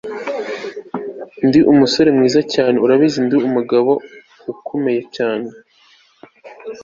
ndi umusore mwiza cyane, urabizi. ndi umugabo ukomeye cyane